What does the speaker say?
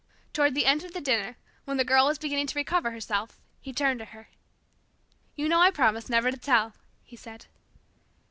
Toward the end of the dinner, when the Girl was beginning to recover herself, he turned to her. "You know I promised never to tell," he said.